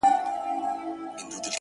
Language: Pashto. انسان حیوان دی، حیوان انسان دی،